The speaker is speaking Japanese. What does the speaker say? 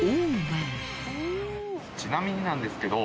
ちなみになんですけど。